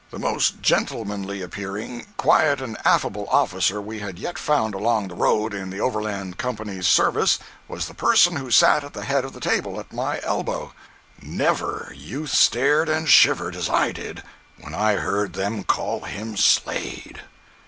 The most gentlemanly appearing, quiet and affable officer we had yet found along the road in the Overland Company's service was the person who sat at the head of the table, at my elbow. Never youth stared and shivered as I did when I heard them call him SLADE!